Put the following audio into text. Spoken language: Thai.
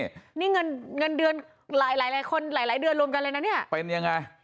โทษนะคะนี่เงินเดือนหลายคนหลายเดือนรวมกันเลยนะเนี่ยเป็นยังไง